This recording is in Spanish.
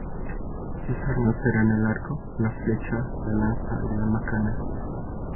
Sus armas eran el arco, la flecha, la lanza y la macana.